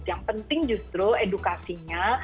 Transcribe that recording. yang penting justru edukasinya